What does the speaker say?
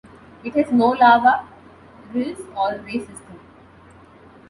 It has no lava, rilles, or ray system.